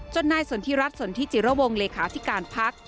จนหน้าสนทิรัฐสนทิจิโรวงค์เลขาธิการพัก